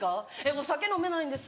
お酒飲めないんです。